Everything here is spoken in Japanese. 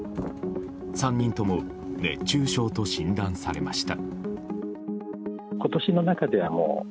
３人とも熱中症と診断されました。